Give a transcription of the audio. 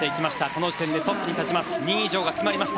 この時点でトップに立っていきます。